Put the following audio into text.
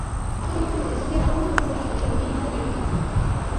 আগামী বছরগুলোতে সোফিয়ার আরও উন্নয়ন ঘটবে বলেই আশাবাদী রোবটটির নির্মাতা ডেভিড হ্যানসন।